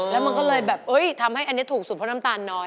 แล้วมันก็เลยแบบทำให้อันนี้ถูกสุดเพราะน้ำตาลน้อย